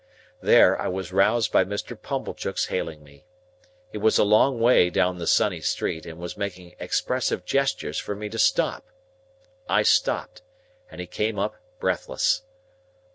There, I was roused by Mr. Pumblechook's hailing me. He was a long way down the sunny street, and was making expressive gestures for me to stop. I stopped, and he came up breathless.